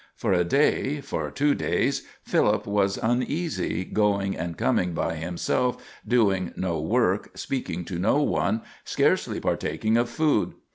For a day for two days Philip was uneasy, going and coming by himself, doing no work, speaking to no one, scarcely partaking of food.